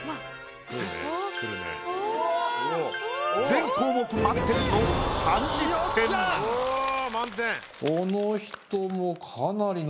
全項目満点の３０点。